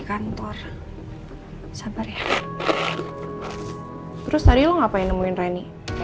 kantor sabar ya terus tadi lo ngapain nemuin reni